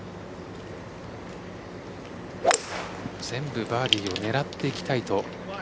全部バーディーを狙っていきたいと。